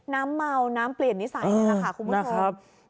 น้ำเมาน้ำเปลี่ยนนิสัยนี่แหละค่ะคุณผู้ชม